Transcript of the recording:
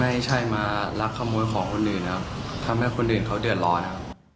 ไม่ใช่มาลักขโมยของคนอื่นครับทำให้คนอื่นเขาเดือดร้อนครับ